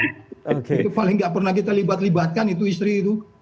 itu paling nggak pernah kita libat libatkan itu istri itu